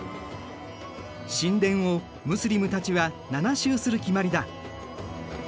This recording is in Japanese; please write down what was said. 神殿をムスリムたちは７周する決まりだ。